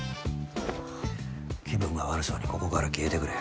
気分が悪そうにここから消えてくれ。